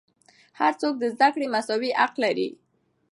هر څوک د زدهکړې مساوي حق لري.